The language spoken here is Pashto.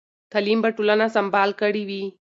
تعلیم به ټولنه سمبال کړې وي.